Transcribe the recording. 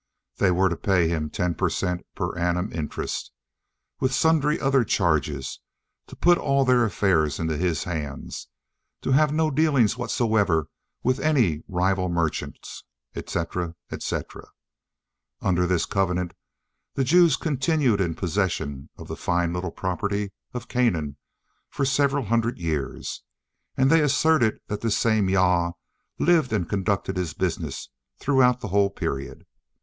They were to pay him ten per cent, per annum interest, with sundry other charges, to put all their affairs into his hands, to have no dealings whatsoever with any rival merchants, etc., etc. Under this covenant the Jews continued in possession of the fine little property of Canaan for several hundred years, and they assert that this same Jah lived and conducted his business throughout the whole period.